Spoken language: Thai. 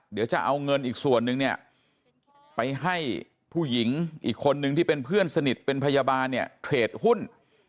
เดี๋ยวจะเอาเงินอีกส่วนนึงเนี่ยไปให้ผู้หญิงอีกคนนึงที่เป็นเพื่อนสนิทเป็นพยาบาลเนี่ยเทรดหุ้น